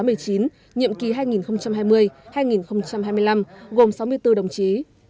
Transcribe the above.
nhiệm kỳ hai nghìn hai mươi hai nghìn hai mươi năm gồm sáu mươi bốn đồng chí